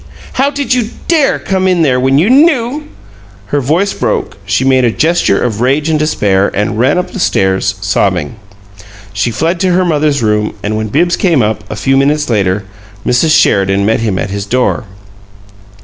How did you dare come in there when you knew " Her voice broke; she made a gesture of rage and despair, and ran up the stairs, sobbing. She fled to her mother's room, and when Bibbs came up, a few minutes later, Mrs. Sheridan met him at his door.